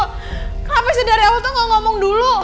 kenapa sih dari awal tuh gak ngomong dulu